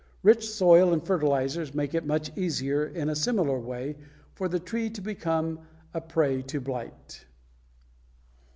Rich soil and fertilizers make it much easier in a similar way for the tree to become a prey to blight.